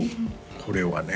これはね